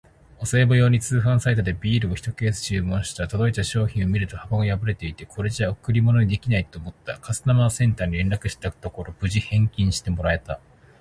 お歳暮用に通販サイトでビールをひとケース注文した。届いた商品を見ると箱が破れていて、これじゃ贈り物にできないと思った。カスタマーセンターに連絡したところ、無事返金してもらえた！